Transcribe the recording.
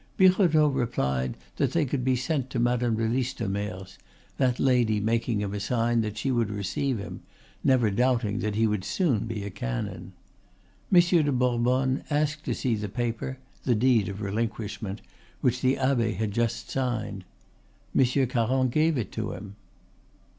Birotteau replied that they could be sent to Madame de Listomere's, that lady making him a sign that she would receive him, never doubting that he would soon be a canon. Monsieur de Bourbonne asked to see the paper, the deed of relinquishment, which the abbe had just signed. Monsieur Caron gave it to him.